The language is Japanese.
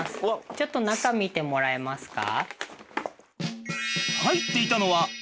ちょっと中見てもらえますか？